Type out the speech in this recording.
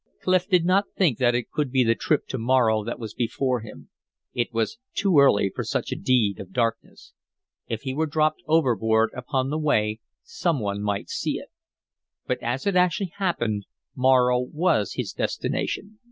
Clif did not think that it could be the trip to Morro that was before him; it was too early for such a deed of darkness. If he were dropped overboard upon the way some one might see it. But as it actually happened, Morro was his destination.